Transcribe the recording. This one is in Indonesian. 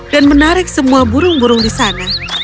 dan menarik semua burung burung di sana